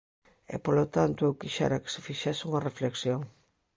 E, polo tanto, eu quixera que se fixese unha reflexión.